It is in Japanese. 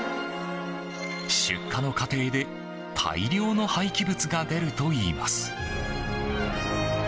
出荷の過程で大量の廃棄物が出るといいます。